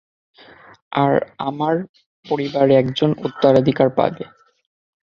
আর আমার পরিবার একজন উত্তরাধিকারী পাবে।